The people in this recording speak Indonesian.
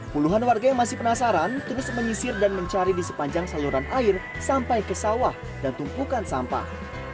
puluhan warga yang masih penasaran terus menyisir dan mencari di sepanjang saluran air sampai ke sawah dan tumpukan sampah